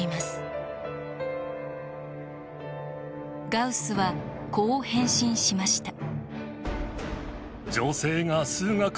ガウスはこう返信しました。